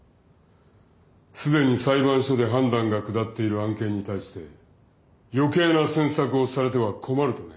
既に裁判所で判断が下っている案件に対して余計な詮索をされては困るとね。